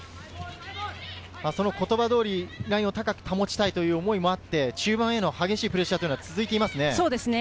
言葉通りラインを高く保ちたいという思いがあって、中盤への激しいプレッシャーが続いていますね。